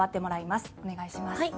お願いします。